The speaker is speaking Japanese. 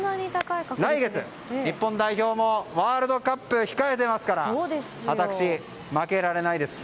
来月、日本代表もワールドカップを控えてますから私、負けられないです。